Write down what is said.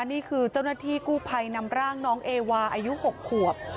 นี่คือเจ้าหน้าที่กู้ภัยนำร่างน้องเอวาอายุ๖ขวบ